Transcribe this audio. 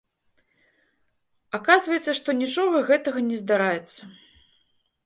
Аказваецца, што нічога гэтага не здараецца.